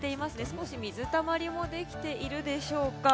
少し水たまりもできているでしょうか。